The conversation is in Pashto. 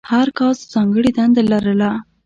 هر کاسټ ځانګړې دنده لرله.